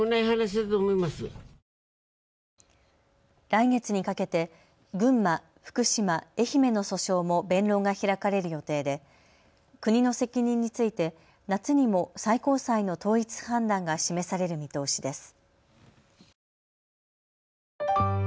来月にかけて群馬、福島、愛媛の訴訟も弁論が開かれる予定で国の責任について夏にも最高裁の統一判断が示される見通しです。